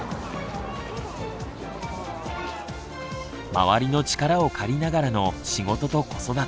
周りの力を借りながらの仕事と子育て。